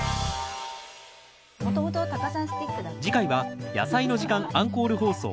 次回は「やさいの時間」アンコール放送。